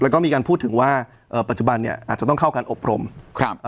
แล้วก็มีการพูดถึงว่าเอ่อปัจจุบันเนี่ยอาจจะต้องเข้าการอบรมครับ